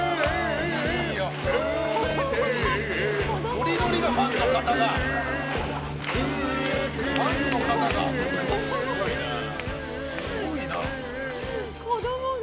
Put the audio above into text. ノリノリだ、ファンの方が。